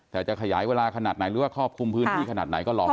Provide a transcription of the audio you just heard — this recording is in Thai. แต่จะขยายเวลาขนาดไหนหรือว่าครอบคลุมพื้นที่ขนาดไหนก็ลอง